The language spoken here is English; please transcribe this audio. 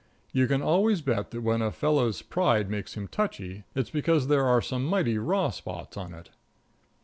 You can always bet that when a fellow's pride makes him touchy, it's because there are some mighty raw spots on it.